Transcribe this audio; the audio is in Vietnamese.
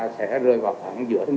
sẽ rơi vào phẳng giữa tháng chín